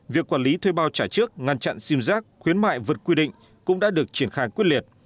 việc quản lý thuê bao trả trước ngăn chặn sim giác khuyến mại vượt quy định cũng đã được triển khai quyết liệt